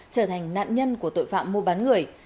trở thành nạn nhân của tội phạm mua bán người